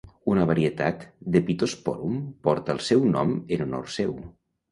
Una varietat de pittosporum porta el seu nom en honor seu.